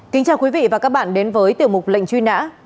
kính chào quý vị và các bạn đến với tiểu mục lệnh truy nã